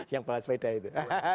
yang bahas beda itu